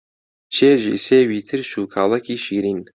چێژی سێوی ترش و کاڵەکی شیرین